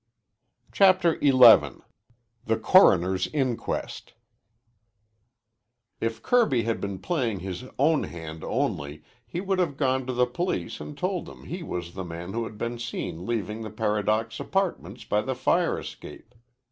CHAPTER XI THE CORONER'S INQUEST If Kirby had been playing his own hand only he would have gone to the police and told them he was the man who had been seen leaving the Paradox Apartments by the fire escape.